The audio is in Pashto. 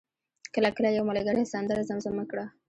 کله کله یو ملګری سندره زمزمه کړه.